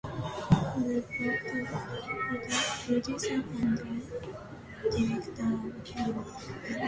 The Producer and Director of film is Prakash Mehra.